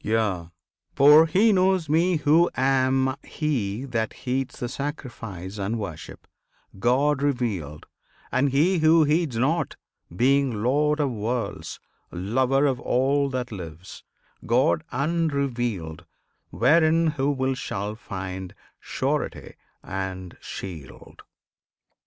Yea! for he knows Me Who am He that heeds The sacrifice and worship, God revealed; And He who heeds not, being Lord of Worlds, Lover of all that lives, God unrevealed, Wherein who will shall find surety and shield!